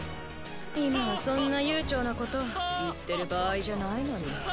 今はそんな悠長なこと言ってる場合じゃないのに。